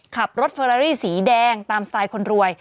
ขับรถเฟอรารี่สีแดงตามสไตล์คนรวย